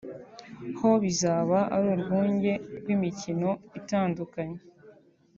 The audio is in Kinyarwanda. ho bizaba ari urwunge rw’imikino itandukanye